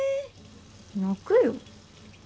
泣くよ。